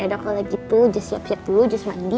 yaudah kalau gitu just siap siap dulu just mandi